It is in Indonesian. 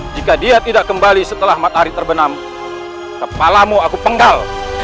jika dia tidak kembali setelah matahari terbenam kepalamu aku penggal